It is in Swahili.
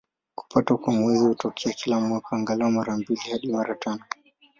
Kupatwa kwa Mwezi hutokea kila mwaka, angalau mara mbili hadi mara tano.